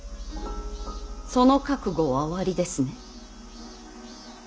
その覚悟はおありですね。